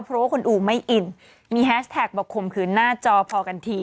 เพราะว่าคุณอูไม่อินมีแฮชแท็กบอกข่มขืนหน้าจอพอกันที